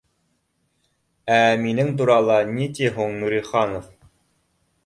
Ә минең турала ни ти һуң Нуриханов?